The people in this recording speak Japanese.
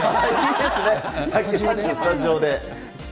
スタジオで。